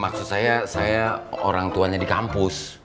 maksud saya saya orang tuanya di kampus